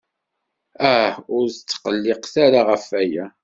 Ah, ur tqelliqet ara ɣef waya.